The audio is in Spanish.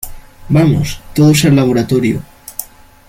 ¡ vamos! ¡ todos al laboratorio !